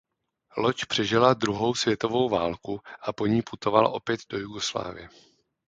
Loď přežila druhou světovou válku a po ní putovala opět do Jugoslávie.